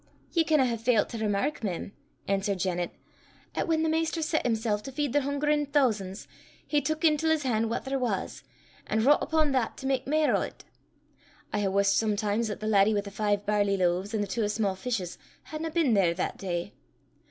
"Ye canna hae failt to remark, mem," answered Janet, "'at whan the Maister set himsel' to feed the hungerin' thoosan's, he teuk intil 's han' what there was, an' vroucht upo' that to mak mair o' 't. I hae wussed sometimes 'at the laddie wi' the five barley loaves an' the twa sma' fishes, hadna been there that day.